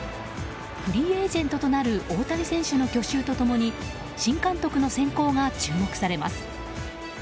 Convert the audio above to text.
フリーエージェントとなる大谷選手の去就と共に新監督の選考が注目されます。